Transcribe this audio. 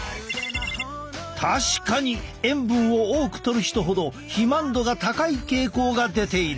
確かに塩分を多くとる人ほど肥満度が高い傾向が出ている。